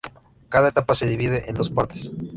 Cada etapa se divide en dos partes.